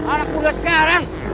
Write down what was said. arah pula sekarang